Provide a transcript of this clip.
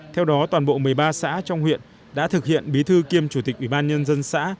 theo đó toàn bộ một mươi ba xã trong huyện đã thực hiện bí thư kiêm chủ tịch ubnd xã